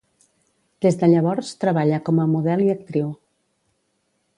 Des de llavors, treballa com a model i actriu.